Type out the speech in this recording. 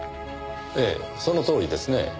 ええそのとおりですねぇ。